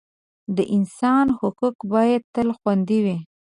د انسان حقوق باید تل خوندي وي.